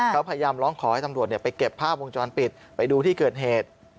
เขาพยายามร้องขอให้ตำรวจไปเก็บภาพวงจรปิดไปดูที่เกิดเหตุ